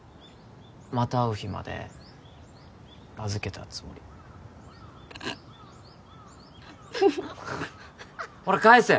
また会う日まで預けたつもりプッフフッほら返せ！